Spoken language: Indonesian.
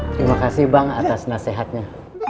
terima kasih bang atas nasihatnya